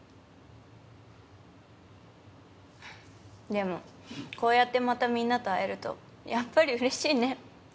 でもこうやってまたみんなと会えるとやっぱりうれしいね。